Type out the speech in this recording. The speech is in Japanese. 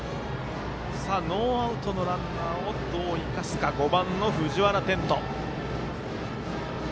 ノーアウトのランナーをどう生かすか、５番の藤原天斗。